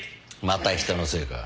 また人のせいか。